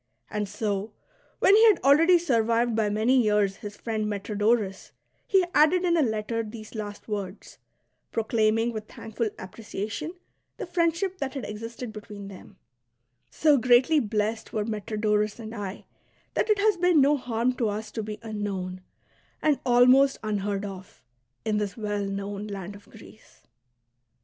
And so, when he had already survived by many years his friend Metrodorus, he added in a letter these last words, proclaiming with thankful appreciation the friendship that had existed between them :" So greatly blest were Metrodorus and I that it has been no harm to us to be unknown, and almost unheard of, in this well known land of Greece."